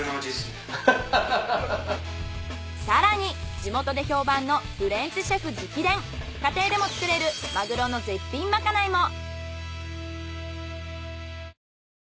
更に地元で評判のフレンチシェフ直伝家庭でも作れるマグロの絶品まかないも。